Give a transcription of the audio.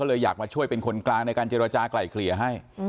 เลยอยากมาช่วยเป็นคนกลางในการเจรจากลายเกลี่ยให้